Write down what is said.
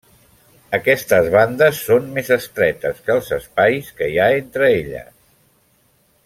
Aquestes bandes són més estretes que els espais que hi ha entre elles.